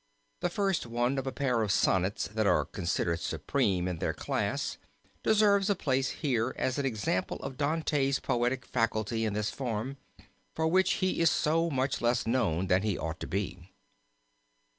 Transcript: The first one of a pair of sonnets that are considered supreme in their class deserves a place here as an example of Dante's poetic faculty in this form, for which he is so much less known than he ought to be.